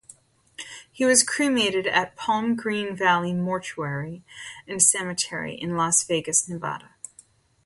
He was cremated at Palm Green Valley Mortuary and Cemetery in Las Vegas, Nevada.